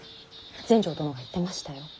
全成殿が言ってましたよ。